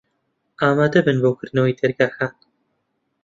ئامادە بن بۆ کردنەوەی دەرگاکان.